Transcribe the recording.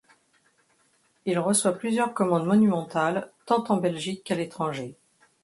Il reçoit plusieurs commandes monumentales tant en Belgique qu'à l'étranger.